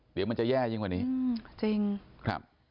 เดี๋ยวมันจะแย่จนกว่านี้ครับ